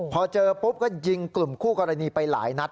พอเจอปุ๊บก็ยิงกลุ่มคู่กรณีไปหลายนัด